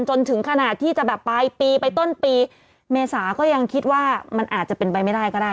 จนถึงขนาดที่จะแบบปลายปีไปต้นปีเมษาก็ยังคิดว่ามันอาจจะเป็นไปไม่ได้ก็ได้